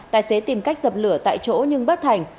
tài xế tìm cách dập lửa tại chỗ nhưng bất thành